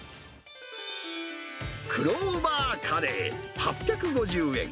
くろーばーカレー８５０円。